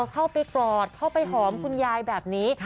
เข้าไปกอดเข้าไปหอมคุณยายแบบนี้